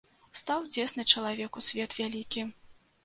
Стаў цесны чалавеку свет вялікі.